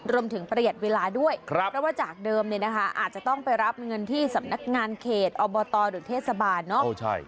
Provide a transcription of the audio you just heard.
ประหยัดเวลาด้วยเพราะว่าจากเดิมเนี่ยนะคะอาจจะต้องไปรับเงินที่สำนักงานเขตอบตหรือเทศบาลเนาะ